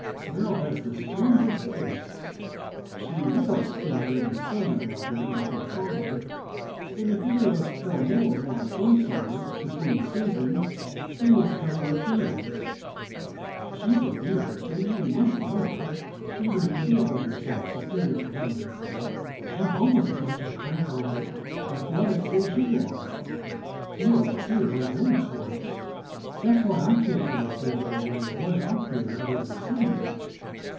Beryl has the strangest tastes. She will spend every summer out here with her father, and if any of us poor mortals want a glimpse of her between seasons, we must come where she is. She's a dear, and you must know her, even if you do hold yourself superior to us women. She's almost as much a crank on athletics as you are; you ought to see her on the links, once! That's why I can't understand her running away off here every summer.